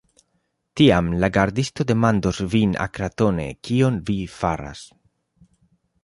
Tiam la gardisto demandos vin akratone, kion vi faras.